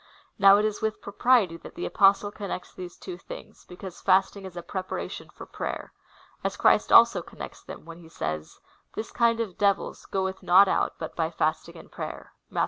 ^ Now it is with propriety that the Apostle connects these two things, because fasting is a preparation for prayer, as Christ also connects them, when he says, This hind of devils goeth not out hut hy fasting and prayer, (Matth.